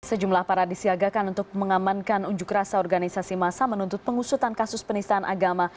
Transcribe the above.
sejumlah para disiagakan untuk mengamankan unjuk rasa organisasi masa menuntut pengusutan kasus penistaan agama